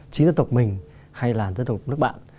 chính dân tộc mình hay là dân tộc nước bạn